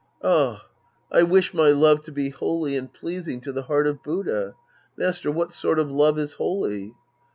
Ah, I wish my love to be holy and pleas ing to the heart of Buddha. Master, what sort of love is holy